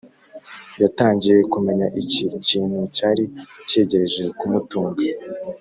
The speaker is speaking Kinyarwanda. yatangiye kumenya iki kintu cyari cyegereje kumutunga,